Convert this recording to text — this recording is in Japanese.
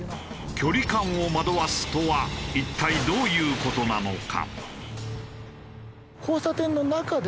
距離感を惑わすとは一体どういう事なのか？